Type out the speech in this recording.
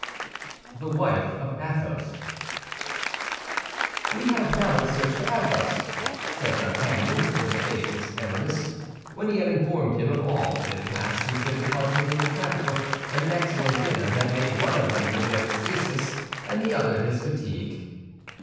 THE WIFE OF ATHOS We have now to search for Athos," said D'Artagnan to the vivacious Aramis, when he had informed him of all that had passed since their departure from the capital, and an excellent dinner had made one of them forget his thesis and the other his fatigue.